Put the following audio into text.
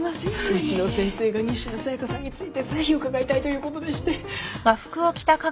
うちの先生が仁科紗耶香さんについてぜひ伺いたいということでして。